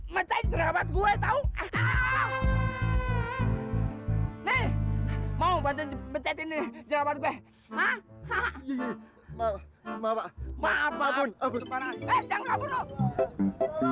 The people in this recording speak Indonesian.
mecah jerawat gue tau mau baca baca ini jerawat gue ha ha ha maaf maaf maaf abun abun abun